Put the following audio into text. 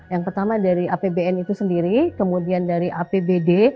yang pertama dari apbn itu sendiri kemudian dari apbd